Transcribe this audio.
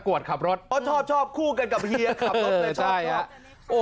ตะกรวดขับรถเพราะชอบคู่กันกับเฮียขับรถแล้วชอบ